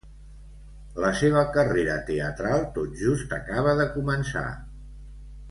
La seva carrera teatral tot just acaba de començar.